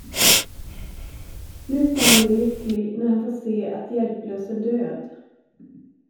Nu ska han bli lycklig, när han får se, att Hjälplös är död.